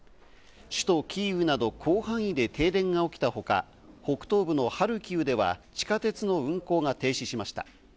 首都キーウなど広範囲で停電が起きたほか、北東部のハルキウでは地下鉄の運行が停止しました。